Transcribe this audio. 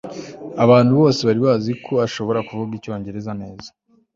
abantu bose bari bazi ko ashobora kuvuga icyongereza neza